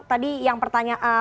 tadi yang pertanyaan